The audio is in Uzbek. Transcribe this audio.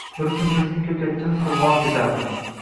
bir kun bizning ko‘katchimiz qo‘zg‘olon ko‘tardi